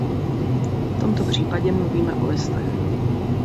V tomto případě mluvíme o listech.